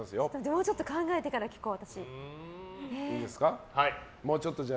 もうちょっと考えてから聞こう。